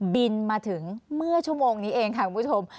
บินมาถึงเมื่อชั่วโมงนี้เองค่ะคุณผู้ชม